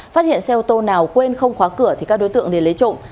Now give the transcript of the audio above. phát hiện xe ô tô nào quên không khóa cửa thì các đối tượng đến lấy trộm